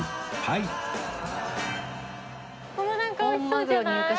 ここもなんか美味しそうじゃない？